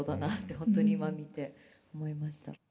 本当に今見て思いました。